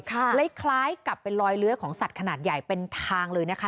คล้ายกับเป็นรอยเลื้อยของสัตว์ขนาดใหญ่เป็นทางเลยนะคะ